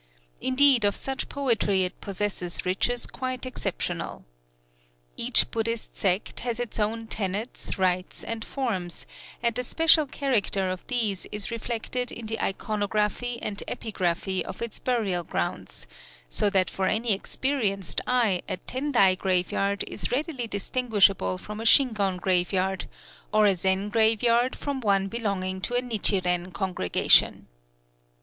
Indeed of such poetry it possesses riches quite exceptional. Each Buddhist sect has its own tenets, rites, and forms; and the special character of these is reflected in the iconography and epigraphy of its burial grounds, so that for any experienced eye a Tendai graveyard is readily distinguishable from a Shingon graveyard, or a Zen graveyard from one belonging to a Nichiren congregation.